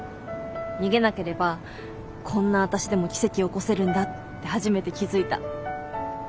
逃げなければこんな私でも奇跡起こせるんだって初めて気付いた。